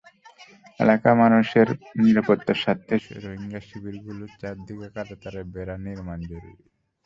এলাকার মানুষের নিরাপত্তার স্বার্থে রোহিঙ্গা শিবিরগুলোর চারদিকে কাঁটাতারের বেড়া নির্মাণ জরুরি।